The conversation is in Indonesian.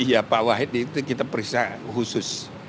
iya pak wahid itu kita periksa khusus